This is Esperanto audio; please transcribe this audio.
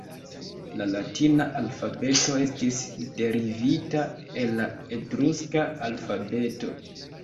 La Latina alfabeto estis derivita el la Etruska alfabeto.